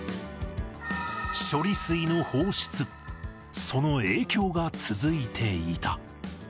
処理水の放出、その影響が続いていた。